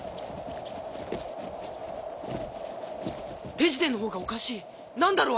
ペジテのほうがおかしい何だろう？